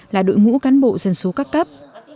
là đội ngũ cán bộ dân số các cấp